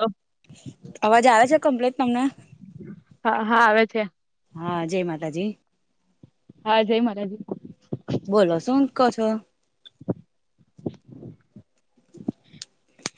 અ અવાજ આવે છે કમ્પ્લીટ તમને? હા-હા આવે છે. હા જય માતાજી. હા જય માતાજી. બોલો શું કો છો.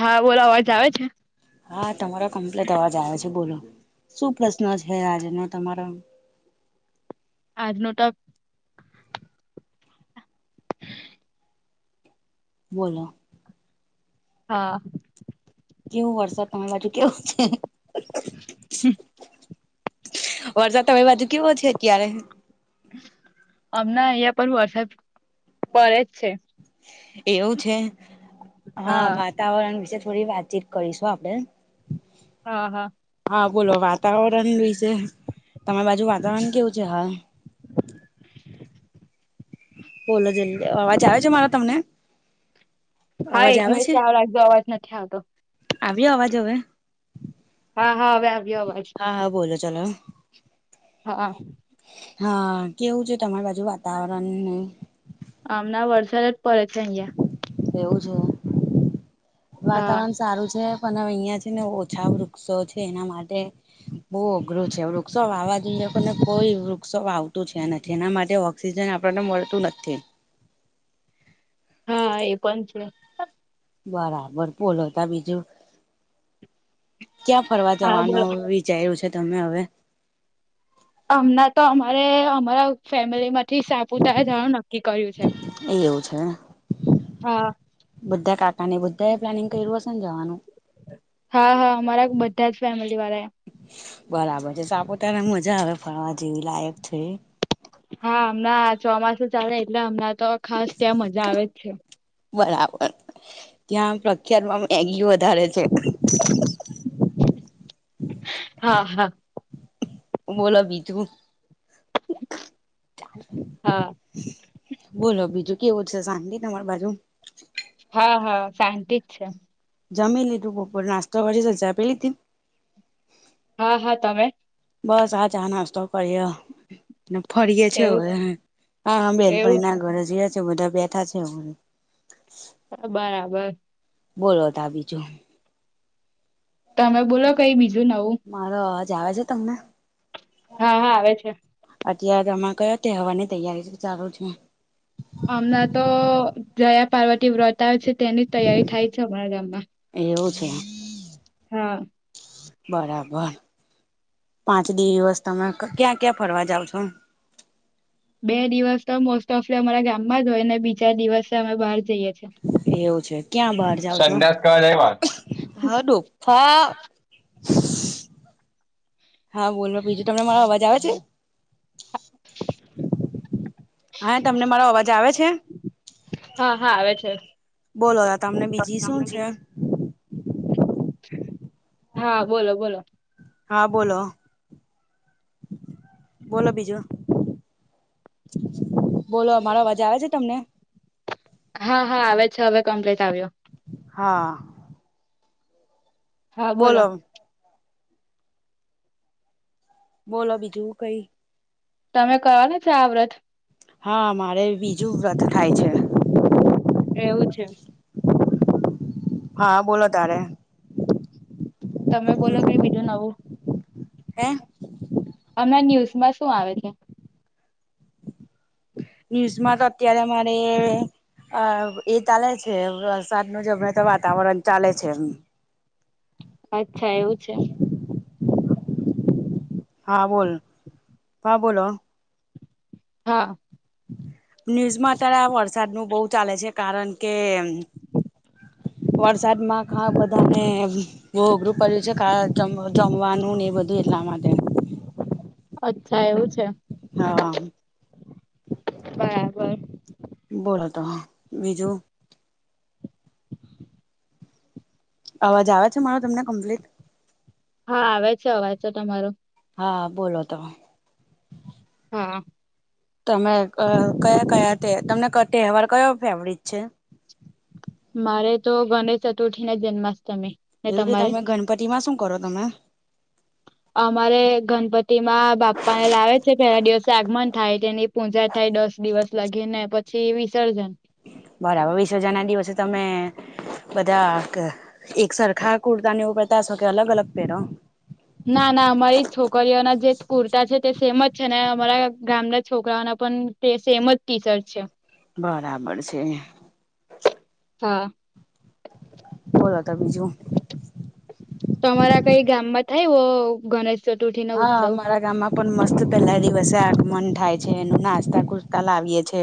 હા બોલો અવાજ આવે છે. હા તમારો કંપ્લેટ અવાજ આવે છે બોલો શું પ્રશ્ન છે આજનો તમારો? આજ નો ત બોલો હા કેવું વરસાદ તમારી બાજુ કેવું છે. વરસાદ તમારી બાજુ કેવો છે અત્યારે? અમણાં અહિયા પણ પર વરસાદ પડે જ છે. એવું છે પડે જ છે હા વા તાવરણ વિશે થોડી વાતચીત કરીશું આપણે. હા-હા હા બોલો વાતાવરણ વિશે તમારી બાજુ વાતાવરણ કેવું છે હા. બોલો જલ્દી અવાજ આવે છે મારો તમને? હા અવાજ એક આવે મિનિટ છે? ચાલુ રાખજો અવાજ નથી આવતો. આવ્યો અવાજ હવે? હા-હા અવે આવ્યો અવાજ. હા-હા બોલો ચાલો. હા... હા કેવું છે તમારી બાજુ વાતાવરણ ને અમણાં વરસાદ જ પડે છે અહીયા. એવું છે હા વાતાવરણ સારું છે પણ હવે અહિયાં છે ને ઓછા વૃક્ષો છે. એના માટે બઉ અઘરું છે, વૃક્ષો વાવવા જોઈએ પણ કોઈ વૃક્ષો વાવતું છે નથી એના માટે ઓક્સિજન આપણને મળતું નથી. હા એ પણ છે. બરાબર બોલો તો બીજું ક્યાં ફરવા હા બોલો જવાનું? વિચારયુ છે તમે હવે? અમણા તો અમારે અમારા ફેમિલી માં એ એવું છે ને? હા બધા કાકા ને બધા એ પ્લાનિંગ કર્યું હશે ને જવાનું? હા હા અમારા બધા જ ફેમિલી વાળા બરાબર છે. સાપુતારાએ મજા આવે ફરવા જેવી લાયક છે. હા હમણાં ચોમાસું ચાલે એટલે હમણાં તો ખાસ ત્યાં મજા આવે જ. બરાબર. ત્યાં પ્રખ્યાતમાં મેગી વધારે છે. હા હા બોલો બીજું. હા બોલો બીજું કેવું છે? શાંતિ તમારી બાજુ હા હા શાંતિ જ છે. જમી લીધું બપોરે નાસ્તો કરી લીધો ચા પી લીધી? હા હા તમે? બસ આ ચા નાસ્તો કર્યો. ફરીએ છીએ એવું હવે હા એવું બેનપણી છે ના ઘરે જઈએ છીએ બધા બેઠા છે. બરાબર. બોલો તો બીજું. તમે બોલો કઈ બીજું નવું. મારો અવાજ આવે છે તમને? હા હા આવે છે. અત્યારે કયો તે હવાની તૈયારી ચાલુ છે. હમણાં તો જયા પાર્વતી વ્રત આવે છે તેની તૈયારી થાય છે અમારા ગામમાં. એવું છે. હા બરાબર. પાંચ દિવસ તમે ક્યાં ક્યાં ફરવા જાવ છો? બે દિવસ તો મોસ્ટ ઓફ અમારા ગામમાં જ હોય ને બીજા દિવસે અમે બહાર જઈએ છીએ. એવું છે ક્યાં બહાર જાવ છો? સંડાસ કરવા જાય વાત હા બોલો બીજું તમને મારો અવાજ આવે છે? હા તમને મારો અવાજ આવે છે? હા હા આવે છે. બોલો તમને બીજી શું છે? હા બોલો બોલો. હા બોલો બોલો બીજું. બોલો અમારો અવાજા આવે છે તમને? હા હા આવે છે હવે કમ્પ્લીટ આવ્યો. હા હા બોલો બોલો બીજું કઈ તમે કરવાના છે આ વ્રત? હા મારે બીજું વ્રત થાય છે. એવું છે. હા બોલો તારે તમે બોલો કઈ બીજું નવું. હે [unintelligible] અમણાં ન્યૂઝમાં શું આવે છે? ન્યૂઝમાં તો અત્યારે મારે. અ એ ચાલે છે વરસાદનો છે અમણાં તો વાતાવરણ ચાલે છે એમ. અચ્છા એવું છે. હા બોલ કયા બોલો. હા ન્યૂઝમાં અત્યારે આ વરસાદનું બોઉ ચાલે છે. કારણ કે વરસાદમાં ખા બધાને એમ. બો અઘરું પડ્યું છે. જમવાનું ને એ બધું એટલા માટે. [unintelligible] અચ્છા એવું છે. હમ બરાબર. બહુ હતો બીજું. અવાજ આવે છે મારો તમને કમ્પ્લીટ? હા આવે છે અવાજ તો તમારો. હા હા બોલો તો. હા. તમે કયા કયા તમને તહેવાર કયો ફેવરિટ છે? મારે તો ગણેશ ચતુર્થી અને જન્માષ્ટમી. ને એવું છે તમારે? તમે ગણપતિમાં શું કરો તમે? અમારે ગણપતિમાં બાપ્પા લા પહેલાં દિવસે આગમન થાય. તેની પૂજા થાય દસ દિવસ લાગી ને પછી વિસર્જન. બરાબર વિસર્જનના દિવસે તમે બધા એક સરખા કુર્તા ને એવું પહેરતા કે અલગ અલગ પેરો? ના ના અમારી છોકરીઓના જે કુર્તા છે તે સેમજ છે. અને અમારા ગામના છોકરાઓના પણ તે સેમજ ટીશર્ટ છે. બરાબર છે. હા. બોલો તો બીજું. તમારા કઈ ગામમાં થયો ગળેશ હા અમારા ગામમાં પણ મસ્ત પેલા દિવસે આગમન થાય. નાચતાં કુદતા લાવીએે છે.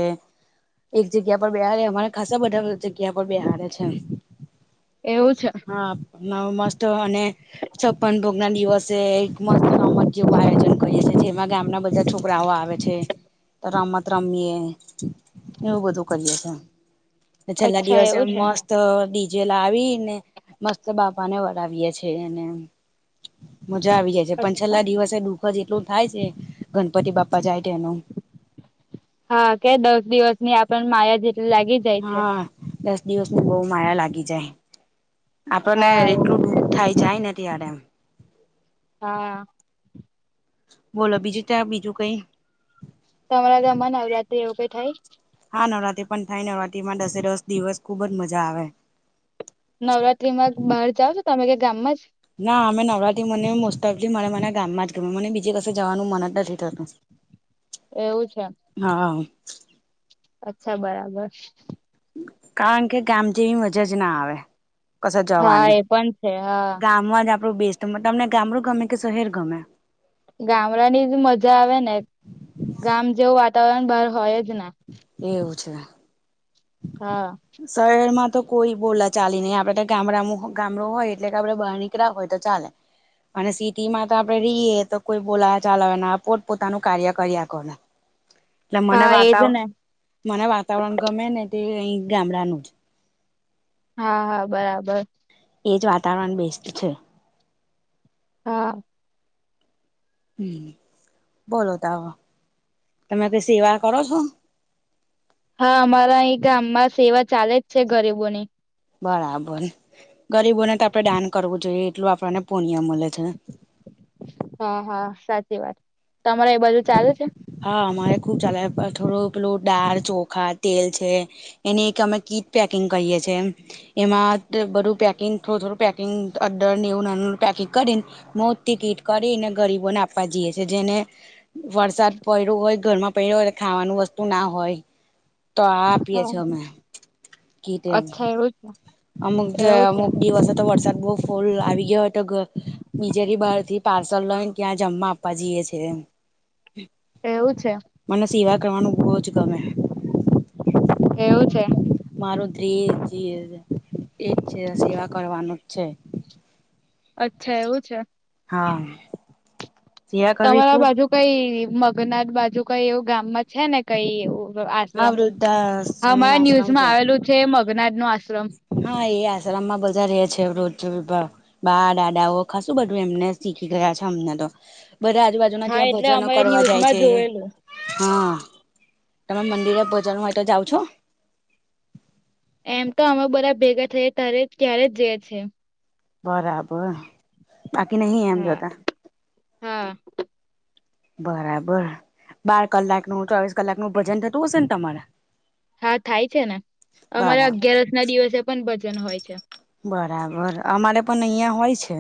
એક જગ્યા પર બેહાડે અમારે ખાસા બધા જગ્યા [unintelligible] [unintelligible] છે એવું છે હા. [unintelligible] મસ્ત અને છપ્પન ભોગના દિવસે મસ્ત રમત જેવુ આયોજન કરીએ છે. તેમાં ગામના બધા છોકરાઓ આવે છે. રમત રમીએ એવું બધું કરીએ છે. છેલ્લા અચ્છા દિવસે એવું છે. મસ્ત. ત ડીજે લાવીને મસ્ત બાપાને વડાવીએે છે. મજા આવી જાય છે. પણ અચ્છા છેલ્લા દિવસે દુઃખ જ એટલું થાય છે ગણપતિ બાપ્પા જાય છે તેનું. હા કે દસ દિવસની આપણને માયા જેટલી લાગી જાય છે. હા દસ દિવસની બઉ માયા લાગી જાય. આપને હા એ એટલું દુઃખ થાય જાય ને ત્યારે. હા. બોલો બીજું ત્યાં બીજું કઈ. તમારા ગામમાં નવરાત્રિ એવું કંઈ થાય. હા નવરાત્રી પણ થાય. નવરાત્રીમાં દસે દસ દિવસ ખુબજ મજા આવે. નવરાત્રીમાં બહાર જાવ ને કે તમે ગામમાં જ ના અમે નવરાત્રિમાં મને મોસ્ટ ઓફલી મારા મને ગામમાં જ ગમે. મને બીજે કસે જવાનું મન જ નથી થતું. એવું છે હા અચ્છા બરાબર કારણ કે ગામ જેવી મજા જ ના આવે કશે હા જવાની એ પણ છે હા માંજ આપડો બેસ્ટ તમને ગામડું ગમે કે શહેર ગમે ગામડા ની મજા આવે ને ગામ જેવું વાતાવરણ બહાર હોય જ નય એવું છે હા શહેરમાં તો કોઈ બોલા ચાલી નહીં આપડે ગામડા ગામડું હોય એટલે કે આપડે બહાર નીકળ્યા હોય તો ચાલે અને સિટી માં તો આપડે રહીયે તો કોઈ બોલા ચલાવે પોત પોતાનું કાર્ય કરીયા કરે એટલે મને હા એજ વાતાવરણ ને મને વાતાવરણ ગમે ને તે અહી ગામડાનું જ હા હા બરાબર એજ વાતાવરણ બેસ્ટ છે હા હમ બોલો તમે કઈ સેવા કરો છો હા અમારા અહી ગામમાં સેવા ચાલે જ છે ગરીબોની બરાબર ગરીબોને તો આપડે દાન કરવું જોઈએ એટલું આપણને પુણ્ય મળે છે હા હા સાચી વાત તમારે એ બાજુ ચાલે છે હા અમારે ખુબ ચાલે થોડો પેલું દાળ ચોખા તેલ છે એની એક અમે કીટ પેકિંગ કરીએ છીએ એમાં બધું પેકિંગ થોડું થોડું પેકિંગ અદર ને એવું નાનું પેકિંગ કરીને મોટી કીટ કરીને ગરીબોને આપવા જઈએ છે જેને વરસાદ પડ્યો હોય ઘર માં પડ્યો હોય ખાવાનું વસ્તુ ના હોય તો આ આપીએ હા છીએ અમે અચ્છા એવું છે. અમુક જે એવું છે અમુક દિવસે તો વરસાદ ફોલ આવી ગયો હોય તો બીજે થી બહાર થી પાર્સલ લઈને ત્યાં જમવા આપવા જઈએ છે એવું છે મને સેવા કરવાનું બોજ ગમે એવું છે મારો ધ્યેય એજ છે સેવા કરવાનું જ છે અચ્છા એવું છે. હા સેવા કરવી તમારા ખુબ બાજુ કઈ મગનાથ બાજુ કઈ એવું ગામ માં છે ને કઈ એવું વ હા આશ્રમ વૃદ્ધાશ્રમ અમારા આશ્રમ ન્યૂઝમાં આવેલું છે મગનાથ નું આશ્રમ હા એ આશ્રમમાં બધા રેય છે રોજ વિભાગ બા દાદાઓ ખાસું બધું એમને શીખી ગયા છે અમને તો બધા આજુબાજુ જેના હા ક્યાં એટલે ભજનો અમે કરવા જાય ન્યૂઝમાં છે. જોયેલું હા તમે મંદિરે ભજન હોય તો જાવ છો? એમ તો અમે બધા ભેગા થયા ત્યારે ત્યારે જ જઈ છે. બરાબર. બાકી નહીં એમ હા જતા. હા. બરાબર બાર કલાક નું ચોવીસ કલાક નું ભજન થતું હશે તમારે હા થાય છે ને અમારે બરાબર. અગિયારસ ના દિવસે પણ ભજન હોય છે. બરાબર અમારે પણ અહં હોય છે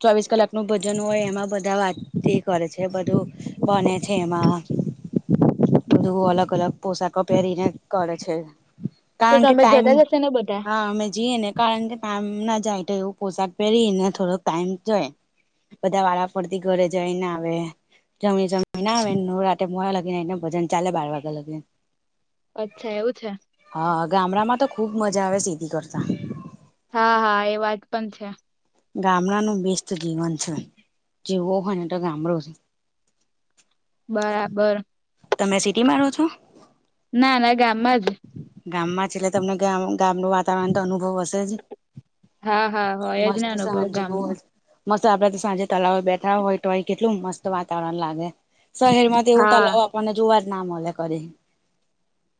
ચોવીસ કલાક નું ભજન હોય એમાં બધા વા તે કરે છે બધું બને છે એમાં. બધું અલગ અલગ પોશાકો પહેરીને કરે છે. તો કારણ કે તમે ટાઈમ જતા જશે ને બધા હા અમે જીએ ને કારણ કે કામ ના જાય તો એવું પોસાક પહેરી ને થોડોક ટાઈમ જાય. બધા વાળા ફરતી ઘરે જઈને આવે. તમે જમી ના આવે રાતે મોવા લાગીને ભજન ચાલે બાર લાગીને. અચ્છા એવું છે. હા, ગામડામાં તો ખુબ મજા આવે છે સીધી કરતા. હા હા એ વાત પણ છે. ગામડાનું બેસ્ટ જીવન છે જીવવું હોય તો ગામડો છે. બરાબર. તમે સિટીમાં રહો છો? ના ના ગામમાં જ. ગામ માં છે એટલે તમને ગામ નું વાતાવરણ તો અનુભવ હશ તેજ હા હા હોય જ મસ્ત ને અનુભવ સાંજ ગામનો મોજ મસ્ત આપડે તો સાંજે તળવે બેઠા હોય તોય કેટલું મસ્ત વાતાવરણ લાગે શહેરમાં એવું હા. તલાવ આપણને જોવા જ ના મેલે કદી.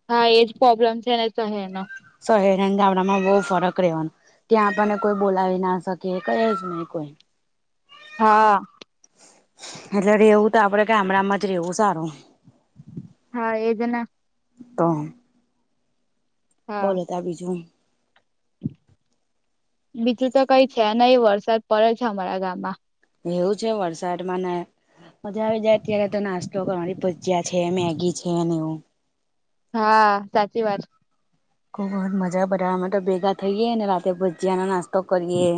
હા, એજ પ્રોબ્લેમ છે ને શહેર નો. શહેર અને ગામડામાં બોવ ફરક રેવાનો. ત્યાં આપને કોઈ બોલાવી ના શકે કઈ જ નહી કોઈ. હા. એટલે રેવું તો આપડે ગામડામાં જ રેવું સારું. હા, એજના. તો. હા બોલો તા બીજું? બીજું તો કઈ છે નહી વરસાદ પડે છે અમારા ગામમાં. એવું છે વરસાડમાં ને મજા આવી જાય ત્યારે તો નાસ્તો કરવાની ભજિયા છે મેગી છે ને એવું. હા, સાચી વાત. ખુબ જ મજા બધાં અમાં તો ભેગા થઈએે રાતે ભજીનો નાસ્તો કરીએ.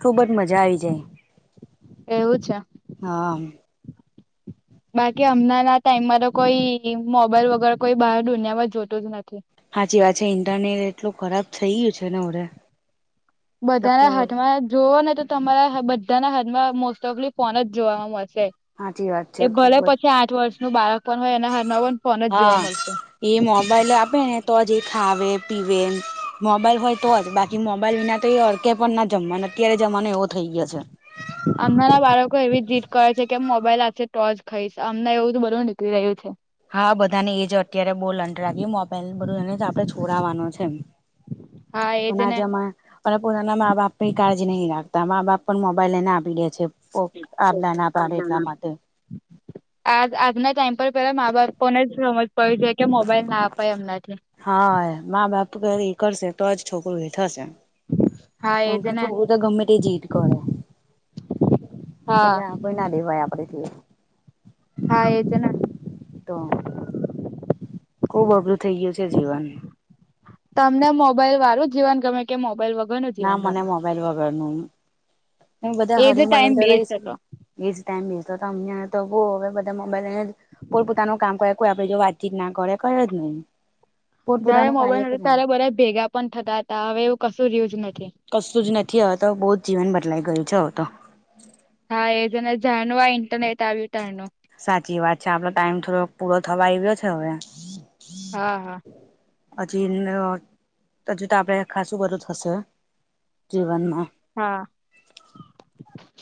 ખુબ જ મજા આવી જાય એવું છે. હા. બાકી હમનાં ના ટાઈમમાં તો કોઈ મોબાઈલ વગર કોઈ બહાર દુનિયામાં જોતું જ નથી. હાચી વાત છે ઇન્ટરનેટ એટલું ખરાબ થઈ ગયું છે ને હવડે બધાના હાથમાં જોવો ને તો તમારા બધાના હાથમાં મોસ્ટ ઓફલી ફોન જ જોવામાં મળશે હાચી વાત છે એ ખુબ ભલે જ પછી આઠ વર્ષનું બાળક પણ હોય એના હાથમાં પણ ફોન જ હા જોવા મળશે. એ મોબાઈલ આપે ને તો જ એ ખાવે પીવે મોબાઈલ હોય તો જ બાક કી મોબાઈલ વિના તો એ અડકે પણ ના જમવા ને અત્યારે જમાંનો એવો થઇ ગયો છે. અમનાં ના બાળકો એવી જીત કરે છે કે મોબાઈલ આપશે તોજ ખાઈશ અમને એવું તો બધું નીકળી રહ્યું છે. હા, બધા ને એજ અત્યારે બો [unintelligible] પેલું બધું એને જ આપડે છોડવાનું છે હા એજ પણ આ ને જમાના પણ પોતાના માબાપ એ કાળજી નહીં રાખતા મા-બાપ પણ મોબાઈલ લઈને આપી દે છે ફોક આ બધા ના પાડે એટલા માટે આજ આજના ટાઈમ પર પેલા મા-બાપો ને જ સમજ પડવી જોઈએ કે મોબાઈલ ના અપાય એમનાથી હા, મા-બાપ કરે એ કરશે તોજ છોકરું એ થશે. હા પં એજ કા ને છો હું તો ગમે તે જીત કરે. હા એટલે આપી ના દેવાય આપડે બી હા એ છે ને તો ખૂબ અઘરું થઇ ગયું છે જીવન તમને મોબાઈલ વાળું જીવન ગમે કે મોબાઈલ વગર નું જીવન ગમે મોબાઇલ વગરનું એમ બધા એ જે હળી ટાઈમ મળીને તો રહી બેસ્ટ શકે હતો એજ ટાઈમ મિલતો હમણે હવે તો બો હવે બધા મોબાઈલ લઈને જ પોપ પોતાનું કામ કરે કોઈ આપડી જોડ વાતચીત ના કરે કઈ જ નઈ જયારે મોબાઈલ નથી ત્યારે બધા ભેગા પણ થતા હતા હવે એવું કશું જ રહ્યું જ નથી. કશું જ નથી હવે તો બહું જ જીવન બદલાઈ ગયું છે હવે તો. હા એજને જાર નું આ ઇન્ટરનેટ આવ્યું તાર નું સાચી વાત છે આપડો ટાઈમ થોડો પૂરો થવા આવ્યો છે હવે. હા હા. હજી અહ હજી તો આપડે ખાસું બધું થશે જીવનમાં. હા.